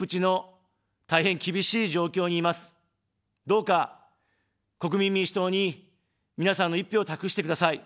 どうか、国民民主党に、皆さんの一票を託してください。